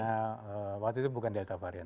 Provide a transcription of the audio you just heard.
karena waktu itu bukan delta varian